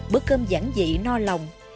bữa cơm giảng dị no lòng